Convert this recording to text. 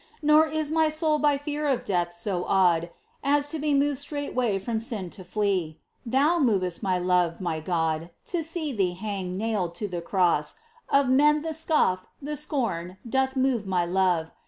Nor is my soul by fear of death so awed As to be moved straightway from sin to flee. Thou mov'st my love, my God ! to see Thee hang Nailed to the cross, of men the scon, the scorn, Doth move my love